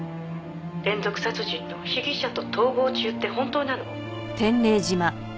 「連続殺人の被疑者と逃亡中って本当なの？」